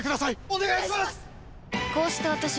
お願いします！